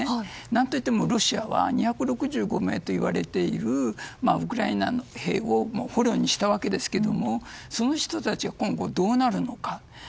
何といってもロシアは２６５名といわれているウクライナ兵を捕虜にしたわけですがその人たちが今後どうなるのか。